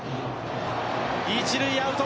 一塁アウト。